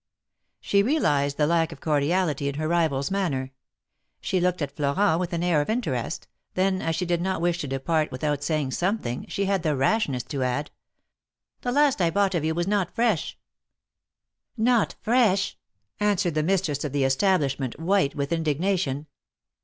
She realized the lack of cordiality in her rival's manner. She looked at Florent with an air of interest ; then, as she did not wish to depart without saying some thing, slie had the rashness to add :" The last I bought of you was not fresh." " Yot fresh !" answered the mistress of the establish ment, white with indignation.